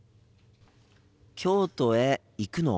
京都へ行くの？